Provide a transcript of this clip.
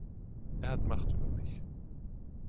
Er hat Macht über mich.